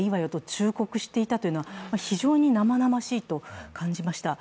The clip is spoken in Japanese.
忠告していたというのは非常に生々しいと感じました。